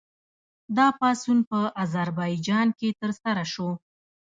دا پاڅون په اذربایجان کې ترسره شو.